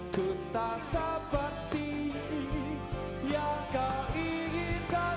ku tak seperti yang kau inginkan